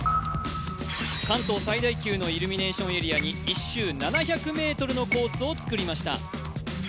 関東最大級のイルミネーションエリアに１周７００ｍのコースをつくりました。